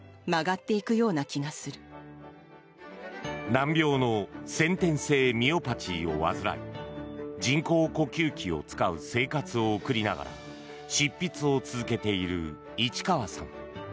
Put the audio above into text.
難病の先天性ミオパチーを患い人工呼吸器を使う生活を送りながら執筆を続けている市川さん。